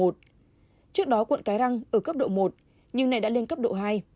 trước đó quận cái răng ở cấp độ một nhưng này đã lên cấp độ hai